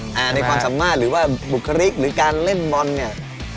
ในความสามารถหรือว่าบุคลิกหรือการเล่นบอลเนี่ย